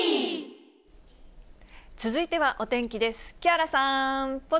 続いてはお天気です。